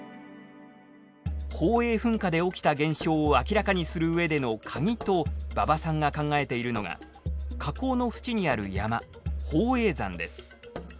宝永噴火で起きた現象を明らかにするうえでのカギと馬場さんが考えているのが火口の縁にある山宝永山です。